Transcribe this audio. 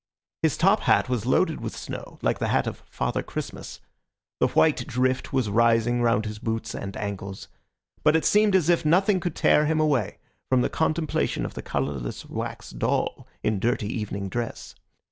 His top hat was loaded with snow like the hat of Father Christmas, the white drift was rising round his boots and ankles; but it seemed as if nothing could tear him away from the contemplation of the colourless wax doll in dirty evening dress.